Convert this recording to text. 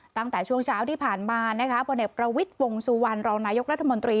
ตั้งแต่ช่วงเช้าที่ผ่านมานะคะพลเอกประวิทย์วงสุวรรณรองนายกรัฐมนตรี